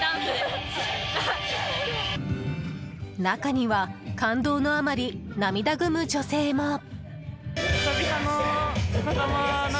中には感動のあまり涙ぐむ女性も。